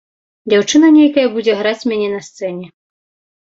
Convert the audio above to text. Дзяўчына нейкая будзе граць мяне на сцэне.